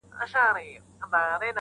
تر احسان لاندي هم ستا هم مو د پلار یم!.